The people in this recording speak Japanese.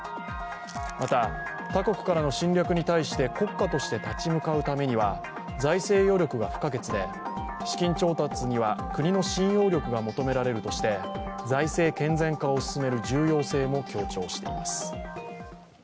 また、他国からの侵略に対して国家として立ち向かうためには財政余力が不可欠で資金調達には国の信用力が求められるとして、財政健全化を進める重要性も強調しています。